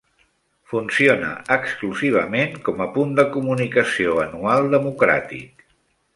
Funciona exclusivament com a punt de comunicació anual democràtic.